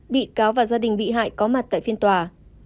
bị cáo và gia đình bị hại có mặt tại phiên tòa